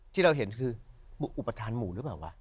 ที่เราเห็นคืออุปทานหมู่หรือเปล่าวะ